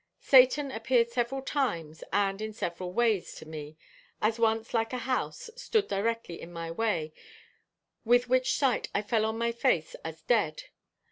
'Satan ... appeared several times, and in several wayes, to me: as once like a house, stood directly in my way, with which sight I fell on my face as dead....